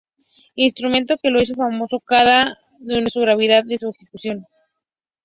Instrumento que lo hizo famoso dada su gran habilidad en su ejecución.